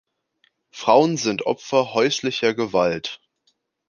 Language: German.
Frauen sind Opfer häuslicher Gewalt.